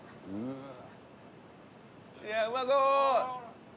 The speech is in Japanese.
いやうまそう！